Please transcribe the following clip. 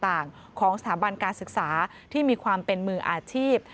ต่างของสถาบันการศึกษาที่มีความเป็นมืออาชีพ